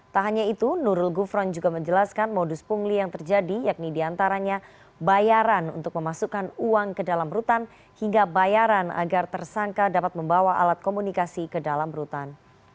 tak hanya itu nurul gufron juga menjelaskan modus pungli yang terjadi yakni diantaranya bayaran untuk memasukkan uang ke dalam rutan hingga bayaran agar tersangka dapat membawa alat komunikasi ke dalam rutan